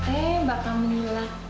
eh mbak kamenila